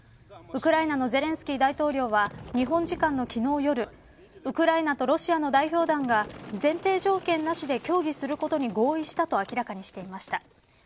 ウクライナのゼレンスキー大統領は日本時間の昨日夜ウクライナとロシアの代表団が前提条件なしで協議することに合意したと明らかにしていました。